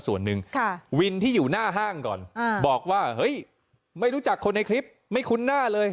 ส่วนหนึ่งวินที่อยู่หน้าห้างก่อนบอกว่าเฮ้ยไม่รู้จักคนในคลิปไม่คุ้นหน้าเลย